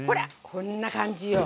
こんな感じよ。